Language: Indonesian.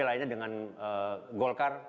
lainnya dengan golkar